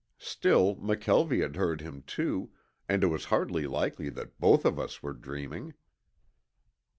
Still, McKelvie had heard him, too, and it was hardly likely that both of us were dreaming.